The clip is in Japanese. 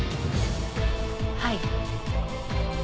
はい。